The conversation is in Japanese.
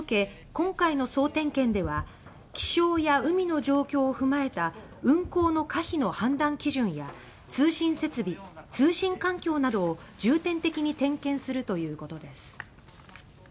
今回の総点検では気象や海の状況を踏まえた運航の可否の判断基準や通信設備通信環境などを重点的に点検するということです。